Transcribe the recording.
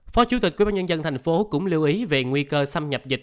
phó chủ tịch quy bán nhân dân thành phố cũng lưu ý về nguy cơ xâm nhập dịch